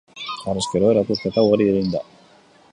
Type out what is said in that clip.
Harrezkero erakusketa ugari egin da.